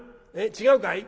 違うかい？」。